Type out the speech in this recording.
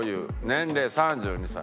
年齢３２歳。